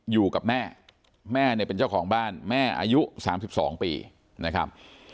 อยู่กับแม่แม่เนี่ยเป็นเจ้าของบ้านแม่อายุ๓๒ปีนะครับ